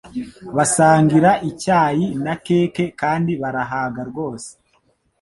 Basangira icyayi na keke kandi barahaga rwose